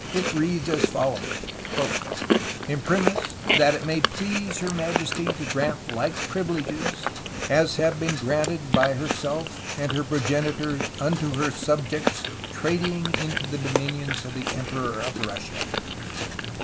It reads as follows: "Imprimis y* yt may please herr Ma*^® to graunt lyke pvyleges as have bene graunted by herr H^ and her progenytors vnto her subiectes tradyng into the domynions of the Emperor of Russia.